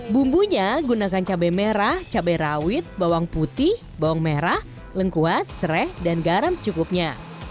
bumbunya gunakan cabai merah cabai rawit bawang putih bawang merah lengkuas serai dan garam secukupnya